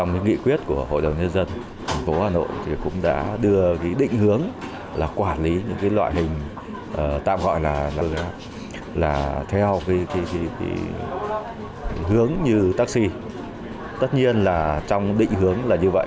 vậy thì hướng như taxi tất nhiên là trong định hướng là như vậy